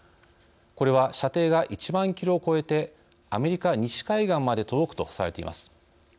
これは射程が１万キロを超えてアメリカ西海岸まで届くとされています。